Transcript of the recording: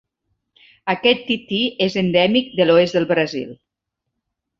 Aquest tití és endèmic de l'oest del Brasil.